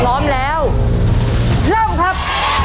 พร้อมแล้วเริ่มครับ